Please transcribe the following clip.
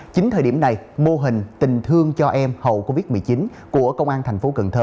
chính thời điểm này mô hình tình thương cho em hậu covid một mươi chín của công an tp cn